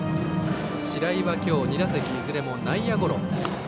白井は今日２打席いずれも内野ゴロ。